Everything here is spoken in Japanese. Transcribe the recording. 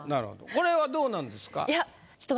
これはどうなんですか？